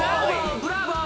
ブラボー！